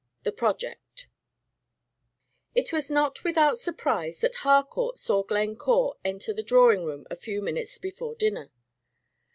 THE "PROJECT" It was not without surprise that Harcourt saw Glencore enter the drawing room a few minutes before dinner.